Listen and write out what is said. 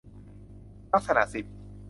ลักษณะสิบ